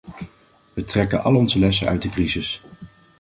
Wij trekken al onze lessen uit de crisis.